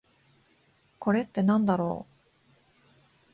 これってなんだろう？